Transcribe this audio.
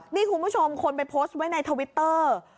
นี่คุณผู้ชมคนไปโพสต์ไว้ในทวิตเตอร์